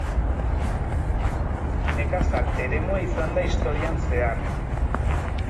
Nekazal eremua izan da historian zehar.